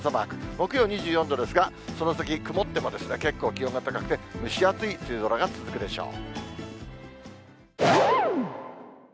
木曜２４度ですが、その先曇っても、結構、気温が高くて、蒸し暑い梅雨空が続くでしょう。